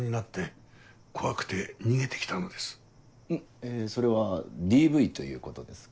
えそれはＤＶということですか？